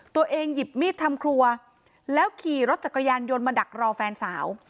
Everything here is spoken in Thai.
หยิบมีดทำครัวแล้วขี่รถจักรยานยนต์มาดักรอแฟนสาว